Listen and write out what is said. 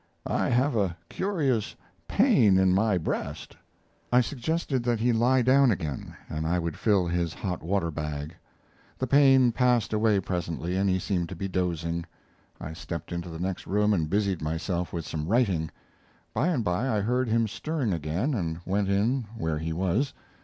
I have a curious pain in my breast." I suggested that he lie down again and I would fill his hot water bag. The pain passed away presently, and he seemed to be dozing. I stepped into the next room and busied myself with some writing. By and by I heard him stirring again and went in where he was.